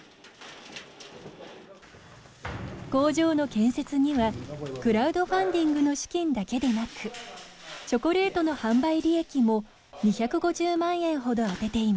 工場の建設にはクラウドファンディングの資金だけでなくチョコレートの販売利益も２５０万円ほど充てています。